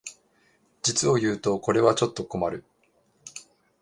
実をいうとこれはちょっと困る